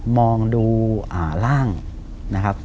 มองดูร่างนะครับ